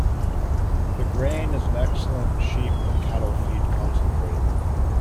The grain is an excellent sheep and cattle feed concentrate.